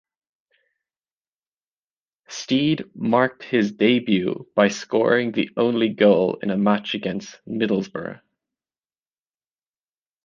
Stead marked his debut by scoring the only goal in a match against Middlesbrough.